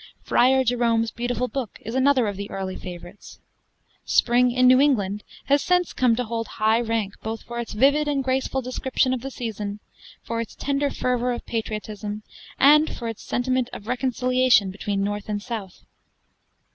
'Friar Jerome's Beautiful Book' is another of the earlier favorites. 'Spring in New England' has since come to hold high rank both for its vivid and graceful description of the season, for its tender fervor of patriotism, and for its sentiment of reconciliation between North and South.